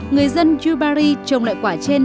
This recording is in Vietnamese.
người dân yubari trồng lại quả trên